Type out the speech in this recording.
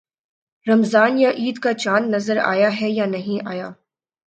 رمضان یا عید کا چاند نظر آیا ہے یا نہیں آیا